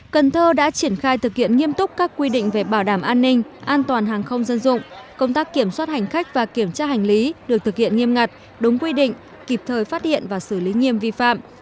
cần thơ đã triển khai thực hiện nghiêm túc các quy định về bảo đảm an ninh an toàn hàng không dân dụng công tác kiểm soát hành khách và kiểm tra hành lý được thực hiện nghiêm ngặt đúng quy định kịp thời phát hiện và xử lý nghiêm vi phạm